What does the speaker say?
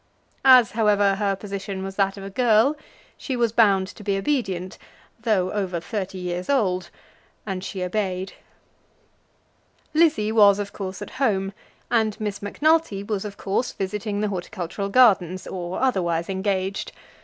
As, however, her position was that of a girl, she was bound to be obedient, though over thirty years old, and she obeyed. Lizzie was of course at home, and Miss Macnulty was of course visiting the Horticultural Gardens or otherwise engaged.